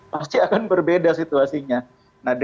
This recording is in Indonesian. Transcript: pasti akan berbeda situasinya